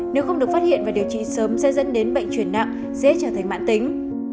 nếu không được phát hiện và điều trị sớm sẽ dẫn đến bệnh chuyển nặng sẽ trở thành mạng tính